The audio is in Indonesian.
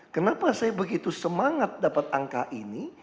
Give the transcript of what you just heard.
kenapa saya begitu semangat dapat angka ini